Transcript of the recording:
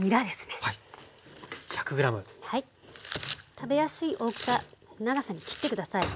食べやすい大きさ長さに切って下さい。